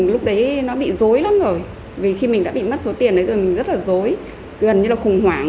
lúc đấy nó bị dối lắm rồi vì khi mình đã bị mất số tiền đấy rồi mình rất là dối gần như là khủng hoảng